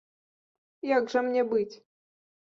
Як жа мне быць?